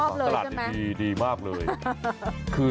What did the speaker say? คุณก็ชอบเลยดีที่ขวานขวางมากเลย